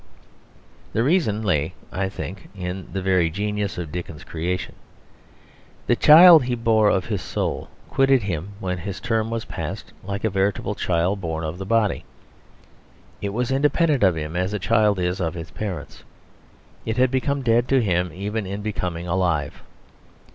The reason lay, I think, in the very genius of Dickens's creation. The child he bore of his soul quitted him when his term was passed like a veritable child born of the body. It was independent of him, as a child is of its parents. It had become dead to him even in becoming alive.